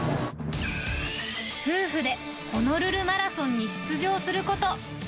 夫婦でホノルルマラソンに出場すること。